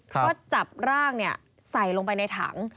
ก็จับร่างใส่ลงไปในถัง